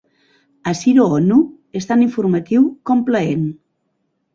"Hasiru honnu" és tan informatiu com plaent.